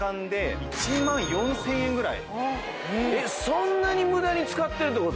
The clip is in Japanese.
そんなに無駄に使ってるって事？